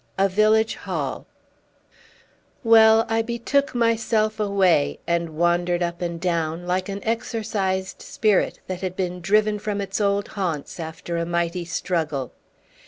A VILLAGE HALL Well, I betook myself away, and wandered up and down, like an exorcised spirit that had been driven from its old haunts after a mighty struggle.